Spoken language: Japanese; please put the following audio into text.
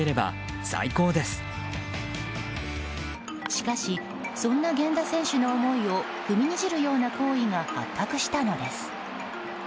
しかしそんな源田選手の思いを踏みにじるような行為が発覚したのです。